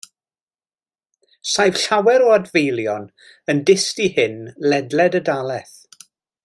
Saif llawer o adfeilion yn dyst i hyn ledled y dalaith.